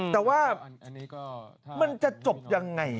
แต่ว่ามันจะจบยังไง